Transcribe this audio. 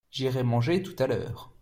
J’irai manger tout à l’heure.